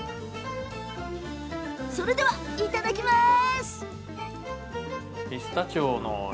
それでは、いただきます！